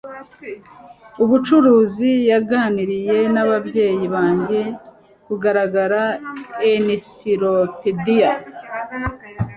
umucuruzi yaganiriye n'ababyeyi banjye kugura encyclopediya